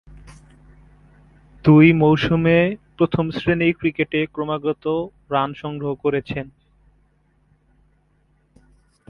দুই মৌসুমে প্রথম-শ্রেণীর ক্রিকেটে ক্রমাগত রান সংগ্রহ করেছেন।